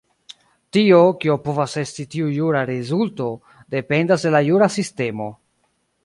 Tio, kio povas esti tiu jura rezulto, dependas de la jura sistemo.